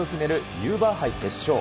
ユーバー杯決勝。